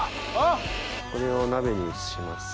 これを鍋に移します。